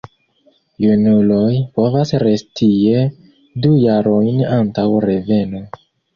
Junuloj povas resti tie du jarojn antaŭ reveno.